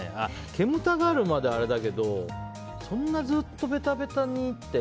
煙たがるまではあれだけどそんなずっとベタベタにって。